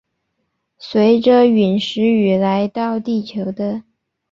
随着殒石雨来到地球的。